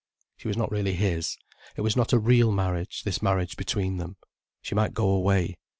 She was not really his, it was not a real marriage, this marriage between them. She might go away.